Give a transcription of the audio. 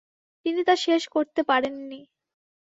তিনি তা শেষ করতে পারেননি।